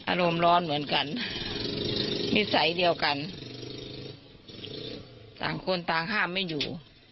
อารมณ์ร้อนเหมือนกันนิสัยเดียวกันต่างคนต่างห้ามไม่อยู่